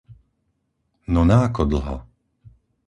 No na ako dlho?